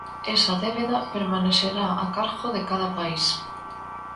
Esa débeda permanecerá a cargo de cada país.